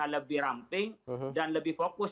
lebih ramping dan lebih fokus